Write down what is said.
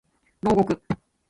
牢獄